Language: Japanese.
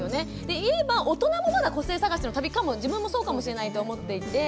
で今大人もまだ個性探しの旅かも自分もそうかもしれないと思っていて。